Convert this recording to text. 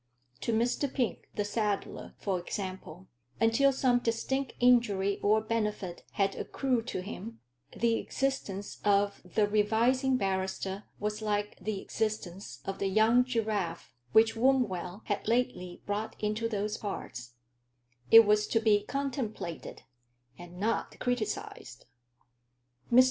To Mr. Pink, the saddler, for example, until some distinct injury or benefit had accrued to him, the existence of the Revising Barrister was like the existence of the young giraffe which Wombwell had lately brought into those parts it was to be contemplated, and not criticised. Mr.